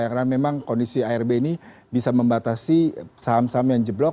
karena memang kondisi arb ini bisa membatasi saham saham yang jeblok